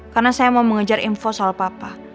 karena saya mau mengejar info soal papa